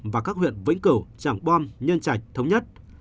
và các huyện vĩnh cửu tràng bom nhân trạch thống nhất